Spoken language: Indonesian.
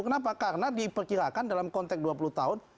kenapa karena diperkirakan dalam konteks dua puluh tahun